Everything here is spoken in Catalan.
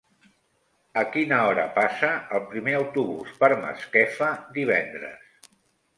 A quina hora passa el primer autobús per Masquefa divendres?